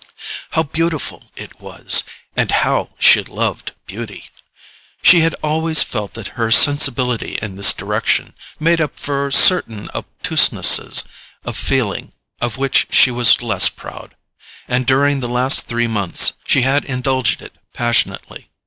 How beautiful it was—and how she loved beauty! She had always felt that her sensibility in this direction made up for certain obtusenesses of feeling of which she was less proud; and during the last three months she had indulged it passionately.